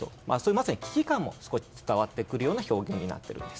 まさに危機感が伝わってくる表現になっています。